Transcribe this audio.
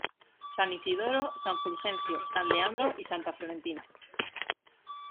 San Isidoro, San Fulgencio, San Leandro y Santa Florentina.